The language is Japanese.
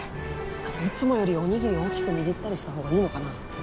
あのいつもよりおにぎり大きく握ったりした方がいいのかな？